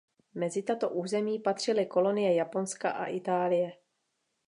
Mezi tato území patřily kolonie Japonska a Itálie.